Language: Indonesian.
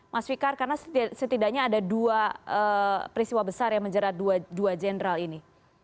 mas fikar karena setidaknya ada dua peristiwa besar yang menjerat dua jenderal ini